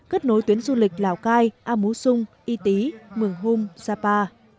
kết nối tuyến du lịch lào cai amu sung y tý mường hung sapa